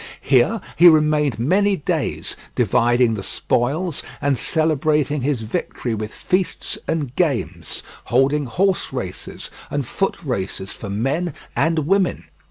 Here he remained many days, dividing the spoils, and celebrating his victory with feasts and games, holding horse races, and foot races for men and women.